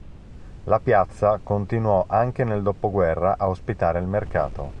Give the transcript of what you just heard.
La piazza continuò anche nel dopoguerra a ospitare il mercato.